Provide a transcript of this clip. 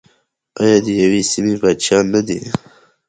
آیا د یوې سیمې بچیان نه دي؟